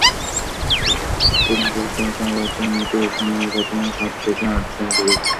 সেখানে police commissioner বলেছিলেন, মিতু খুনের ঘটনায় সাত থেকে আটজন জড়িত।